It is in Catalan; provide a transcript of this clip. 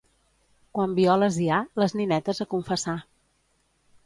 Quan violes hi ha, les ninetes a confessar.